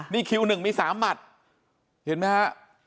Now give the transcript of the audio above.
นี่คิวหนึ่งมีสามบัตรเห็นไหมฮะ